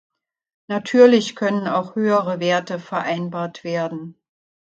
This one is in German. Natürlich können auch höhere Werte vereinbart werden.